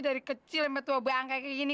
dari kecil mbak tua bang kayak gini